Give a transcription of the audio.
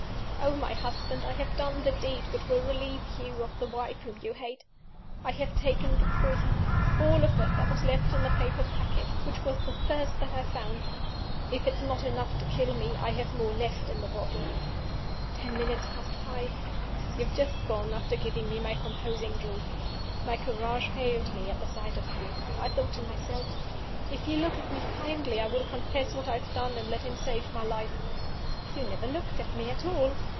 "Oh, my husband, I have done the deed which will relieve you of the wife whom you hate! I have taken the poison all of it that was left in the paper packet, which was the first that I found. If this is not enough to kill me, I have more left in the bottle. "Ten minutes past five. "You have just gone, after giving me my composing draught. My courage failed me at the sight of you. I thought to myself, 'If he look at me kindly, I will confess what I have done, and let him save my life.' You never looked at me at all.